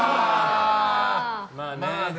まあね。